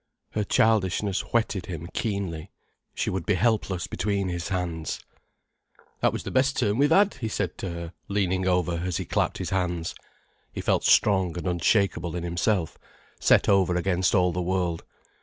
Her childishness whetted him keenly. She would he helpless between his hands. "That was the best turn we've had," he said to her, leaning over as he clapped his hands. He felt strong and unshakeable in himself, set over against all the world.